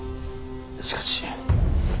しかし。